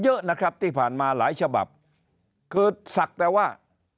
เยอะนะครับที่ผ่านมาหลายฉบับคือศักดิ์แต่ว่า